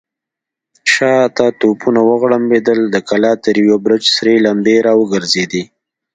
شاته توپونه وغړمبېدل، د کلا تر يوه برج سرې لمبې را وګرځېدې.